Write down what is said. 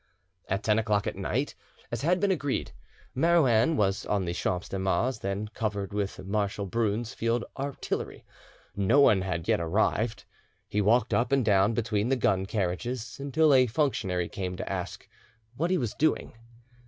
At ten o'clock at night, as had been agreed, Marouin was on the Champs de Mars, then covered with Marshal Brune's field artillery. No one had arrived yet. He walked up and down between the gun carriages until a functionary came to ask what he was doing.